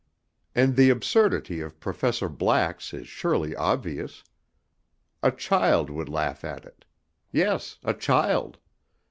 And the absurdity of Professor Black's is surely obvious. A child would laugh at it. Yes, a child!